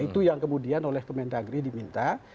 itu yang kemudian oleh kementerian negeri diminta